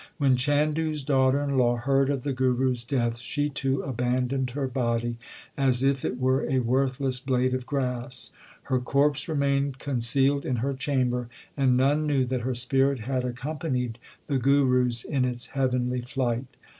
When Chandu s daughter in law heard of the Guru s death she too abandoned her body, as if it were a worthless blade of grass. Her corpse remained concealed in her chamber and none knew that her spirit had accompanied the Guru s in its heavenly flight.